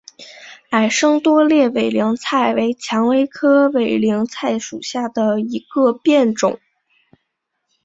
矮生多裂委陵菜为蔷薇科委陵菜属下的一个变种。